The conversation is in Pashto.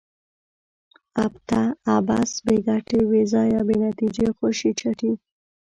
ابته ؛ عبث، بې ګټي، بې ځایه ، بې نتیجې، خوشي چټي